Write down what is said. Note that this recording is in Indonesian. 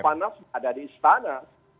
panas ada di istana